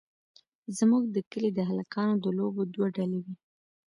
زموږ د کلي د هلکانو د لوبو دوه ډلې وې.